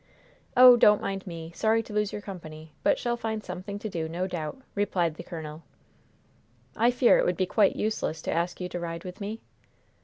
"Oh, don't mind me. Sorry to lose your company, but shall find something to do, no doubt," replied the colonel. "I fear it would be quite useless to ask you to ride with me?"